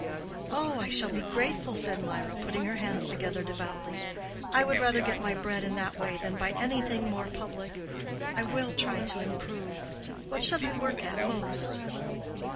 "Oh, I shall be grateful," said Mirah, putting her hands together devoutly. "I would rather get my bread in that way than by anything more public. I will try to improve. What should I work at most?"